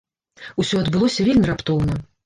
Усё адбылося вельмі раптоўна.